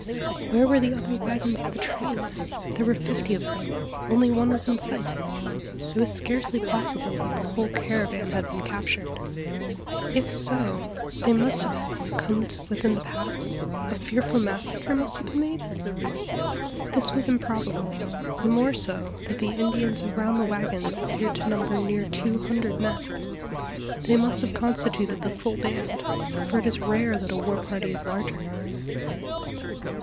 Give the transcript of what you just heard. Where were the other waggons of the train? There were fifty of them only one was in sight! It was scarcely possible that the whole caravan had been captured. If so, they must have succumbed within the pass? A fearful massacre must have been made? This was improbable: the more so, that the Indians around the waggon appeared to number near two hundred men. They must have constituted the full band: for it is rare that a war party is larger.